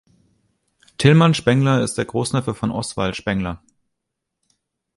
Tilman Spengler ist der Großneffe von Oswald Spengler.